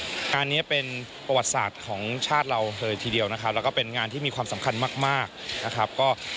งานนี้เป็นประวัติศาสตร์ของชาติเราเท่าไหร่ทีเดียวนะครับ